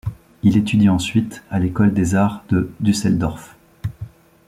Il étudie ensuite à l'école des arts de Düsseldorf.